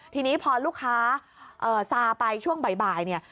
ทีนี้พอลูกค้าซาไปช่วงบ่ายเนี่ย